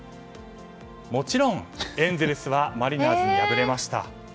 もちろん、エンゼルスはマリナーズに敗れました。